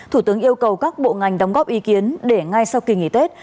thủ tướng yêu cầu các bộ ngành đóng góp ý kiến để ngay sau kỳ nghỉ tết